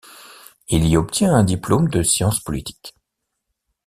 Il y obtient un diplôme de sciences politiques.